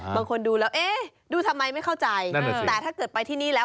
บางคนดูแล้วเอ๊ะดูทำไมไม่เข้าใจแต่ถ้าเกิดไปที่นี่แล้ว